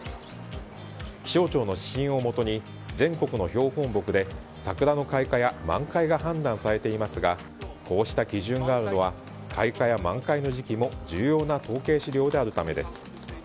気象庁の指針をもとに全国の標本木で桜の開花や満開が判断されていますがこうした基準があるのは開花や満開の時期も重要な統計資料であるためです。